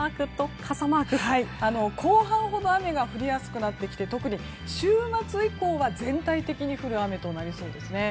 後半ほど雨が降りやすくなって特に週末意向が全体的に降る雨となりそうですね。